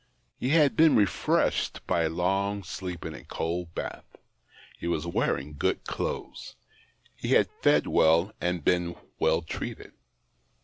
He had been refreshed by a long sleep and a cold bath ; he was wearing good clothes ; he had fed well and been well treated.